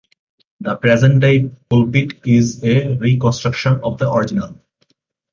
The present-day pulpit is a reconstruction of the original.